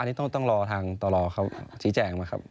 อันนี้ต้องรอทางต่อรอเขาชี้แจงนะครับ